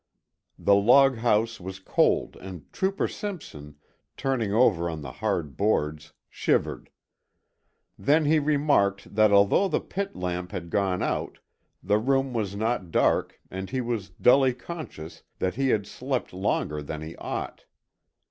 The loghouse was cold and trooper Simpson, turning over on the hard boards, shivered. Then he remarked that although the pit lamp had gone out the room was not dark and he was dully conscious that he had slept longer than he ought.